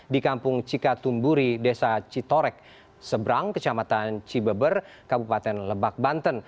di kampung cikatumburi desa citorek seberang kecamatan cibeber kabupaten lebak banten